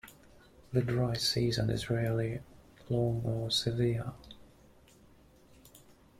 The dry season is rarely long or severe.